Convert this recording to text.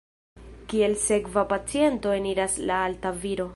Kiel sekva paciento eniras la alta viro.